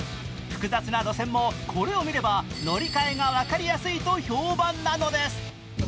複雑な路線もこれを見れば乗り換えが分かりやすいと評判なんです。